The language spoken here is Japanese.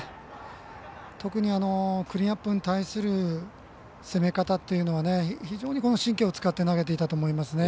特に、クリーンナップに対する攻め方は非常に神経を使って投げていたと思います。